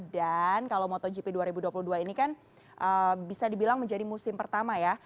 dan kalau motogp dua ribu dua puluh dua ini kan bisa dibilang menjadi musim pertama ya